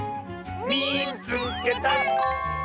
「みいつけた！」。